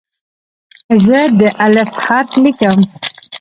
زه د "الف" حرف لیکم.